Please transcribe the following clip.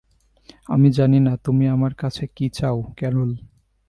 আমি জানি না তুমি আমার কাছে কি চাও, ক্যারল।